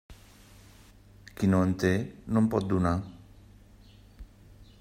Qui no en té, no en pot donar.